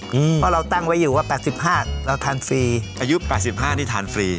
เพราะเราตั้งไว้อยู่ว่าแปดสิบห้าเราทานฟรีอายุแปดสิบห้านี่ทานฟรี